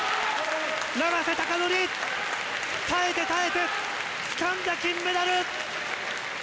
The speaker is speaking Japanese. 永瀬貴規、耐えて耐えてつかんだ金メダル！